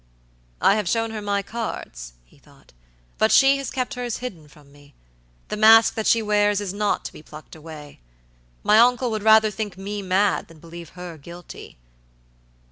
"I have shown her my cards," he thought, "but she has kept hers hidden from me. The mask that she wears is not to be plucked away. My uncle would rather think me mad than believe her guilty."